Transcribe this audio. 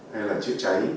hay là chiếc cháy